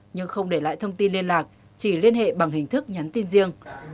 nhưng không để lại thông tin liên lạc chỉ liên hệ bằng hình thức nhắn tin riêng